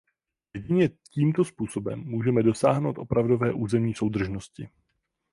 Jedině tímto způsobem můžeme dosáhnout opravdové územní soudržnosti.